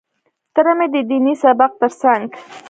تره مې د ديني سبق تر څنګ.